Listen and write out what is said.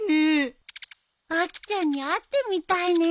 アキちゃんに会ってみたいねえ。